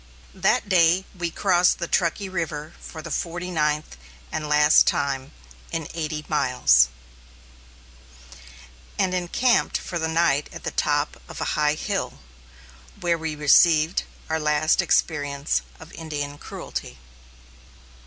That day we crossed the Truckee River for the forty ninth and last time in eighty miles, and encamped for the night at the top of a high hill, where we received our last experience of Indian cruelty.